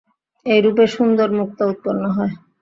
এইরূপে সুন্দর মুক্তা উৎপন্ন হয়।